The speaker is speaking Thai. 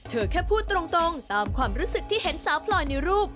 เธอแค่พูดตรงตามความรู้สึกที่เห็นสาวพลอยในรูป